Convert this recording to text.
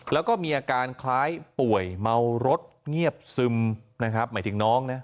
แล้วก็มีอาการคล้ายป่วยเมารถเงียบซึมนะครับหมายถึงน้องนะ